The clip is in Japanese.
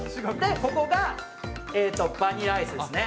ここがバニラアイスですね。